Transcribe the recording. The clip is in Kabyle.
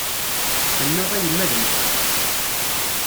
Annaɣ a yemma ad mmteɣ.